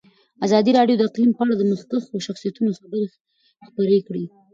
ازادي راډیو د اقلیم په اړه د مخکښو شخصیتونو خبرې خپرې کړي.